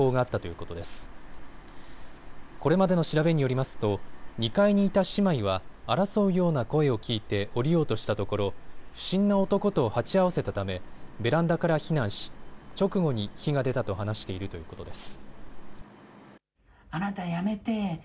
これまでの調べによりますと２階にいた姉妹は争うような声を聞いて下りようとしたところ不審な男と鉢合わせたためベランダから避難し直後に火が出たと話しているということです。